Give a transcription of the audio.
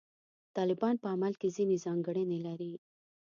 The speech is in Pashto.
طالبان په عمل کې ځینې ځانګړنې لري.